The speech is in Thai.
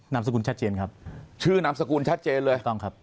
นามสกุลชัดเจนครับชื่อนามสกุลชัดเจนเลยถูกต้องครับ